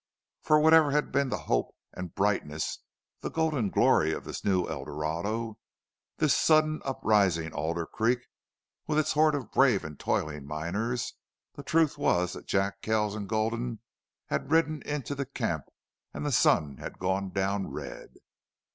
For whatever had been the hope and brightness, the golden glory of this new Eldorado, this sudden uprising Alder Creek with its horde of brave and toiling miners, the truth was that Jack Kells and Gulden had ridden into the camp and the sun had gone down red.